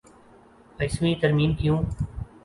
ائیسویں ترمیم کیوں؟